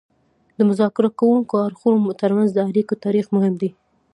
د مذاکره کوونکو اړخونو ترمنځ د اړیکو تاریخ مهم دی